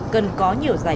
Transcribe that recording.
cần có nhiều giải quyết